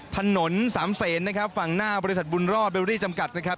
ถนนสามเศษนะครับฝั่งหน้าบริษัทบุญรอดเบอรี่จำกัดนะครับ